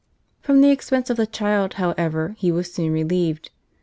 From the expense of the child, however, he was soon relieved.